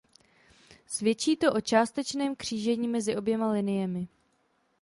Svědčí to o částečném křížení mezi oběma liniemi.